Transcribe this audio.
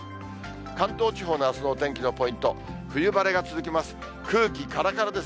関東地方のあすのお天気のポイント、冬晴れが続きます。